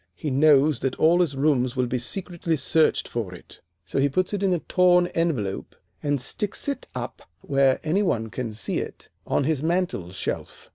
He knows that all his rooms will be secretly searched for it, so he puts it in a torn envelope and sticks it up where any one can see it on his mantel shelf.